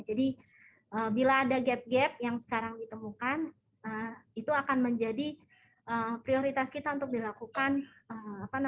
jadi bila ada gap gap yang sekarang ditemukan itu akan menjadi prioritas kita untuk dilakukan